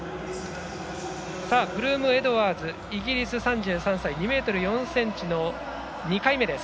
ブルームエドワーズイギリス、３３歳２ｍ４ｃｍの２回目です。